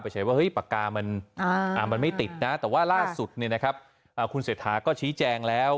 ว่าปากกามันไม่ติดนะแต่ว่าล่าสุดคุณเศรษฐาก็ชี้แจงแล้ว